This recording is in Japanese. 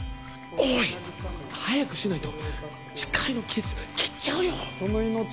おい早くしないと誓いのキスきちゃうよ！